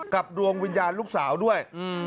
ดวงวิญญาณลูกสาวด้วย